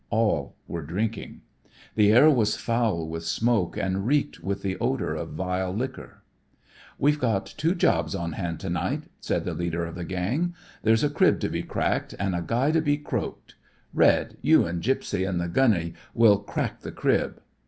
All were drinking. The air was foul with smoke and reeked with the odor of vile liquor. "We've got two jobs on hand to night," said the leader of the gang. "There's a crib to be cracked an' a guy to be croaked. Red, you an' Gypsie an' the Gunney will crack the crib.